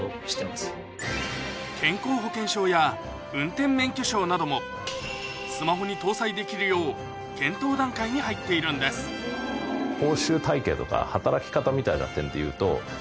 健康保険証や運転免許証などもスマホに搭載できるよう検討段階に入っているんです結構。